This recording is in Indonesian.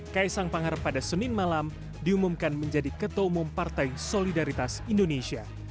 kaisang pangar pada senin malam diumumkan menjadi ketua umum partai solidaritas indonesia